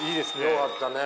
よかったね。